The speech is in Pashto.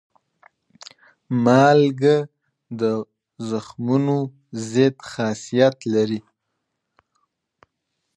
مالګه د زخمونو ضد خاصیت لري.